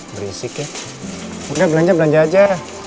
berisik ya mungkin belanja belanja aja